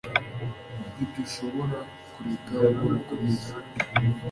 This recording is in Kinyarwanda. Ntidushobora kureka ngo bikomeze